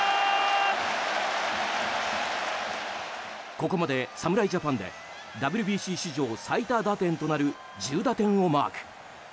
ここまで侍ジャパンでＷＢＣ史上最多打点となる１０打点をマーク。